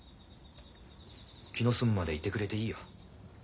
気の済むまでいてくれていいよ。